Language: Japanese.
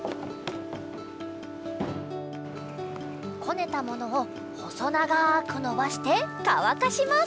こねたものをほそながくのばしてかわかします。